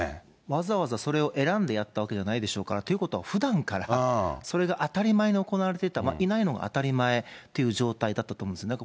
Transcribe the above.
わざわざそれを選んでやったわけじゃないでしょうから、ということはふだんからそれが当たり前に行われていた、いないのが当たり前っていう状態だったと思うんですね。